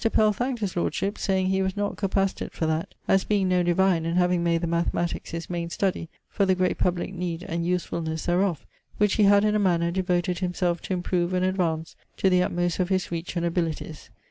Pell thankd his lordship, saying he was not capacitate for that, as being no divine and having made the mathematics his main studie, for the great publick need and usefullnesse therof, which he had in a manner devoted himself to improve and advance to the uttmost of his reach and abilities.